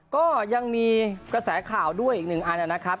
ก็ยังมีกระแสข่าวด้วยอีกหนึ่งอันนะครับ